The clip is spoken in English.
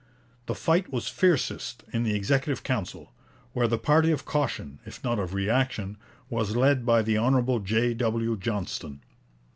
The fight was fiercest in the Executive Council, where the party of caution, if not of reaction, was led by the Hon. J. W. Johnston.